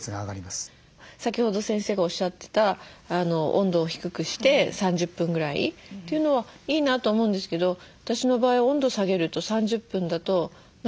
先ほど先生がおっしゃってた温度を低くして３０分ぐらいというのはいいなと思うんですけど私の場合温度下げると３０分だと何かこう汗が出てこない。